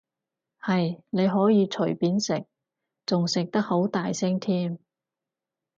係，你可以隨便食，仲食得好大聲添